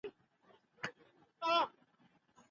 که ښوونه دوام ولري، پوهه نه هېریږي.